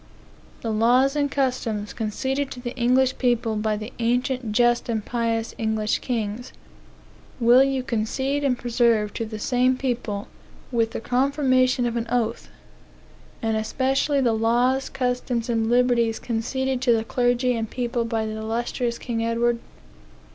The laws and customs, conceded to the English people by the ancient, just, and pious English kings, will you concede and preserve to the same people, with the confirmation of an oath? and especially the laws, customs, and liberties conceded to the clergy and people by the illustrious king Edward?